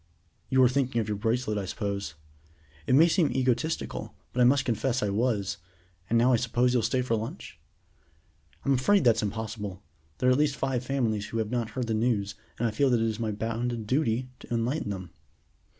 "You are thinking of your bracelet, I suppose?" "It may seem egotistical, but I must confess I was; and now I suppose you'll stay to lunch?" "I'm afraid that's impossible. There are at least five families who have not heard the news, and I feel that it is my bounden duty to enlighten them."